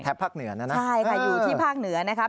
ภาคเหนือนะนะใช่ค่ะอยู่ที่ภาคเหนือนะครับ